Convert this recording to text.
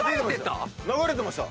流れてました。